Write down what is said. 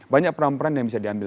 banyak peran peran yang bisa diambil